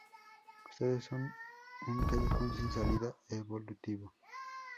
Ustedes son un callejón sin salida evolutivo.